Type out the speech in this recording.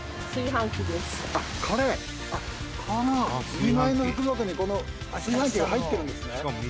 「２万円の福袋にこの炊飯器が入ってるんですね」